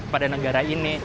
pada negara ini